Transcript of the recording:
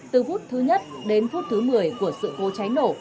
từ phút thứ nhất đến phút thứ một mươi của sự cố cháy nổ